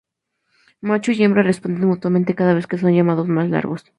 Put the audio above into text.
Macho y hembra responden mutuamente, cada vez con llamados más largos.